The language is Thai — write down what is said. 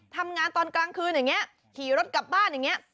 ทำงานตอนกลางคืนอย่างนี้ขี่รถกลับบ้านอย่างนี้